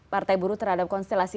partai buruh terhadap konstelasi